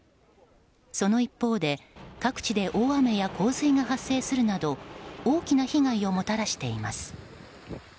その一方で、各地で大雨や洪水が発生するなど大きな被害をもたらしています。